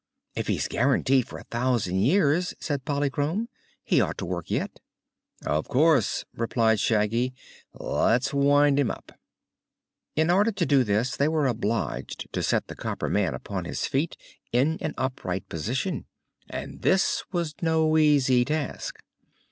"If he's guaranteed for a thousand years," said Polychrome, "he ought to work yet." "Of course," replied Shaggy. "Let's wind him up." In order to do this they were obliged to set the copper man upon his feet, in an upright position, and this was no easy task.